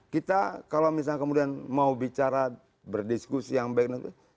kita kalau misalnya kemudian mau bicara berdiskusi yang baik nanti